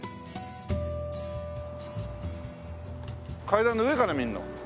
階段の上から見るの？